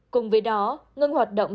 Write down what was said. cùng với đó ngưng hoạt động